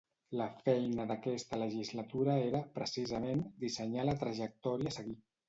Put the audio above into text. La feina d’aquesta legislatura era, precisament, dissenyar la trajectòria a seguir.